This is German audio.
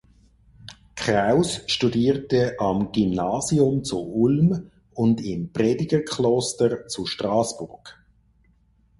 Kraus studierte am Gymnasium zu Ulm und im Predigerkloster zu Straßburg.